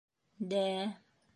— Дә-ә-ә...